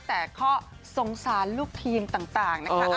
แต่ก็สงสารลูกทีมต่างนะคะ